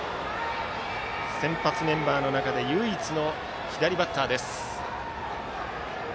先発メンバーの中で唯一の左バッターです。